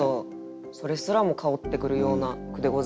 それすらも薫ってくるような句でございましたけれども。